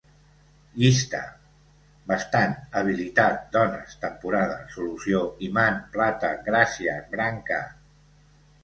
Llista: bastant, habilitat, dones, temporada, solució, imant, plata, gràcies, branca